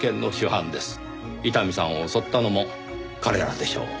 伊丹さんを襲ったのも彼らでしょう。